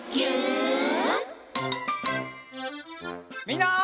みんな。